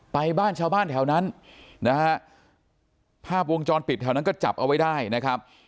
ไปบ้านชาวบ้านแถวนั้นนะฮะภาพวงจรปิดแถวนั้นก็จับเอาไว้ได้นะครับ